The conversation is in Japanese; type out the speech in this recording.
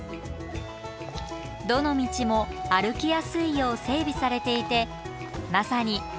どの道も歩きやすいよう整備されていてまさに至れり尽くせり。